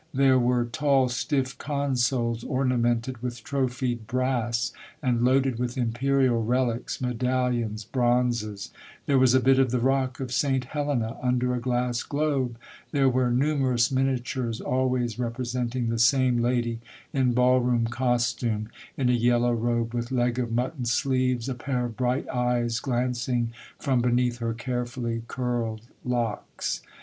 There were tall, stiff consoles ornamented with trophied brass, and loaded with imperial relics, medallions, bronzes ; there was a bit of the rock of St. Helena under a glass globe ; there were numerous miniatures always representing the same lady, in ball room costume, in a yellow robe with leg of mutton sleeves, a pair of bright eyes glanc ing from beneath her carefully curled locks.